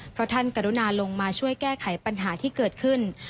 เพราะท่านกรุณาลงมาช่วยแก้ไขปัญหาที่เกิดขึ้น